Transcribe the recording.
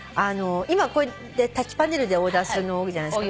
今タッチパネルでオーダーするの多いじゃないですか。